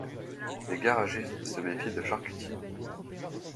Des garagistes se méfient de charcutiers.